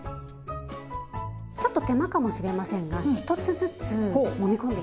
ちょっと手間かもしれませんが１つずつもみ込んでいきます。